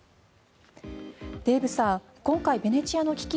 デーブさん、今回ベネチアの危機